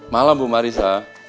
malam bu marissa